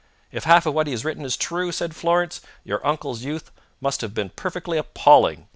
"If half of what he has written is true," said Florence, "your uncle's youth must have been perfectly appalling.